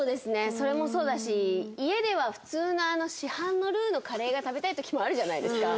それもそうだし家では普通の市販のルーのカレーが食べたい時もあるじゃないですか。